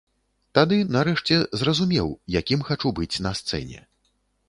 Тады, нарэшце, зразумеў, якім хачу быць на сцэне.